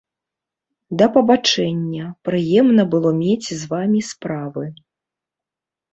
Да пабачэння, прыемна было мець з вамі справы.